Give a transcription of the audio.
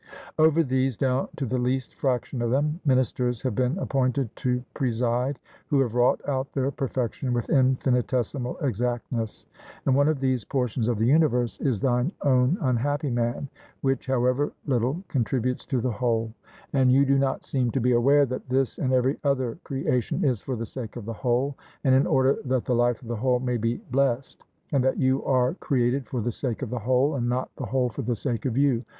Over these, down to the least fraction of them, ministers have been appointed to preside, who have wrought out their perfection with infinitesimal exactness. And one of these portions of the universe is thine own, unhappy man, which, however little, contributes to the whole; and you do not seem to be aware that this and every other creation is for the sake of the whole, and in order that the life of the whole may be blessed; and that you are created for the sake of the whole, and not the whole for the sake of you.